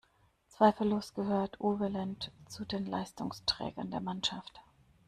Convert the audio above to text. Zweifellos gehört Uwe Lendt zu den Leistungsträgern der Mannschaft.